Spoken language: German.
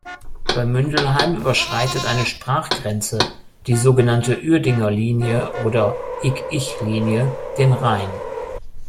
Bei Mündelheim überschreitet eine Sprachgrenze, die so genannte Uerdinger Linie oder Ik-Ich-Linie, den Rhein.